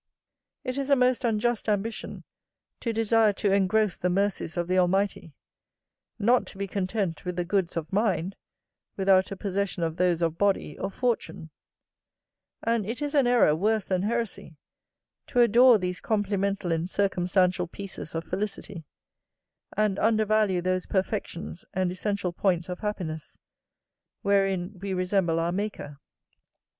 It is a most unjust ambition, to desire to engross the mercies of the Almighty, not to be content with the goods of mind, without a possession of those of body or fortune: and it is an error, worse than heresy, to adore these complimental and circumstantial pieces of felicity, and undervalue those perfections and essential points of happiness, wherein we resemble our Maker.